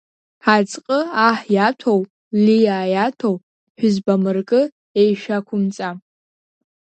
Аӡҟы аҳ иаҭәоу, лиаа иаҭәоу, ҳәызбамыркы, еишәақәымҵа.